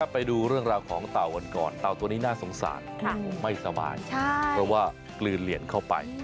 ไปดูเรื่องราวของเต่ากันก่อนเต่าตัวนี้น่าสงสารไม่สบายเพราะว่ากลืนเหรียญเข้าไป